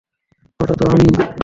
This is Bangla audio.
ওটা তো আমিই।